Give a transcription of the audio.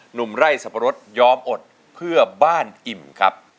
หนุ่มไร่สับปะรดยอมอดเพื่อบ้านอิ่มครับ